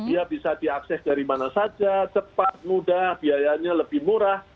ya bisa diakses dari mana saja cepat mudah biayanya lebih murah